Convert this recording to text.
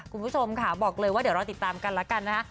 คุณผู้ชมค่ะบอกเลยว่าเดี๋ยวรอติดตามกันแล้วกันนะฮะ